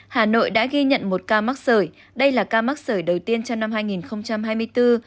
hà nội đã ghi nhận một ca mắc sởi đây là ca mắc sởi đầu tiên trong năm hai nghìn hai mươi bốn